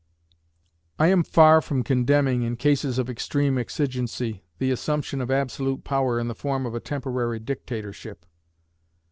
I am far from condemning, in cases of extreme exigency, the assumption of absolute power in the form of a temporary dictatorship.